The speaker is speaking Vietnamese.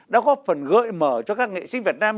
đã góp phần gợi mở cho các nghệ sĩ việt nam